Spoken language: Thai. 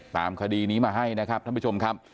ตามคดีนี้มาให้นะครับท่านผู้ชมครับ